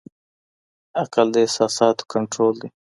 عقل د احساساتو کنټرول دی.